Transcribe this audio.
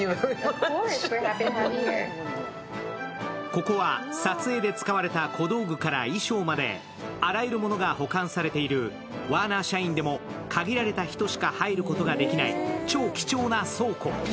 ここは撮影で使われた小道具から衣装まであらゆるものが保管されているワーナー社員でも限られた人しか入ることができない超貴重な倉庫。